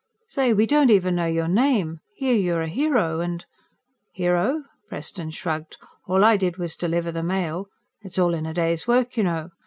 "Say, we don't even know your name! Here you are a hero, and " "Hero?" Preston shrugged. "All I did was deliver the mail. It's all in a day's work, you know.